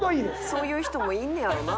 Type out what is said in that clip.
「そういう人もいるんやろな」